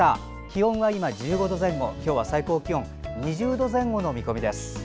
気温は今１５度前後今日は最高気温２０度前後の見込みです。